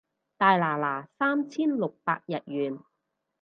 大拿拿三千六百日圓